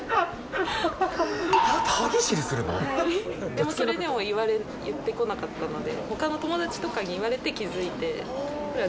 でもそれでも言ってこなかったので。